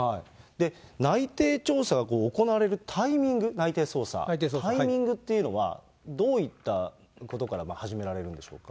内定調査が行われるタイミング、内偵捜査、タイミングっていうのは、どういったことから始められるんでしょ